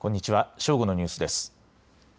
正午のニュースです。